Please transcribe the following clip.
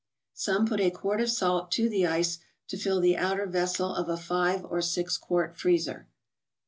Some put a quart of salt to the ice to fill the outer vessel of a five or six quart freezer.